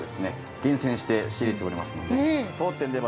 厳選して仕入れておりますので。